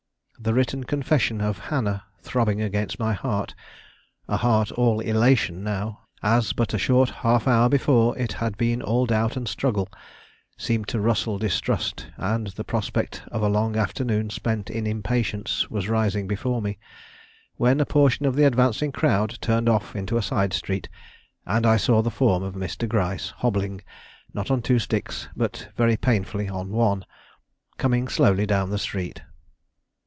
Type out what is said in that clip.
The written confession of Hannah throbbing against my heart, a heart all elation now, as but a short half hour before it had been all doubt and struggle, seemed to rustle distrust, and the prospect of a long afternoon spent in impatience was rising before me, when a portion of the advancing crowd turned off into a side street, and I saw the form of Mr. Gryce hobbling, not on two sticks, but very painfully on one, coming slowly down the street.